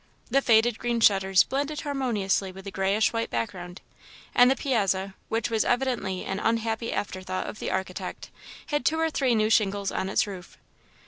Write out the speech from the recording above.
The faded green shutters blended harmoniously with the greyish white background, and the piazza, which was evidently an unhappy afterthought of the architect, had two or three new shingles on its roof.